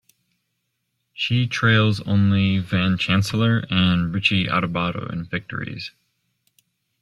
She trails only Van Chancellor and Richie Adubato in victories.